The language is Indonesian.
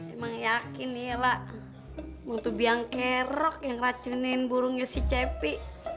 emang yakin iya lah buntu biangkerok yang racunin burungnya si cepi